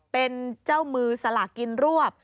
เป็นเจ้ามือสลากินรวบ